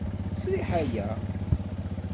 Sriḥ aya.